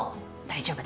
大丈夫。